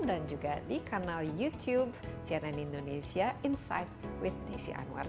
dan juga di kanal youtube cnn indonesia insight with desi anwar